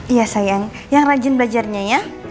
iya sayang yang rajin belajarnya ya